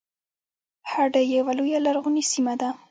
هډه یوه لویه لرغونې سیمه ده